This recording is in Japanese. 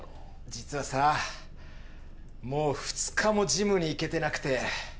実はさもう２日もジムに行けてなくて。